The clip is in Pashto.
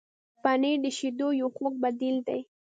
پنېر د شیدو یو خوږ بدیل دی.